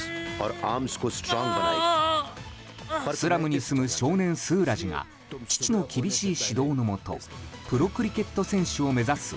スラムに住む少年スーラジが父の厳しい指導のもとプロクリケット選手を目指す